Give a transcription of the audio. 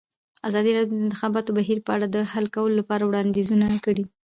ازادي راډیو د د انتخاباتو بهیر په اړه د حل کولو لپاره وړاندیزونه کړي.